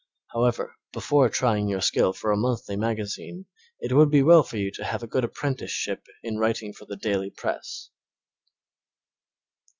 However, before trying your skill for a monthly magazine it would be well for you to have a good apprenticeship in writing for the daily press.